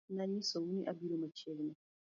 Nanyisou ni abiro machiegni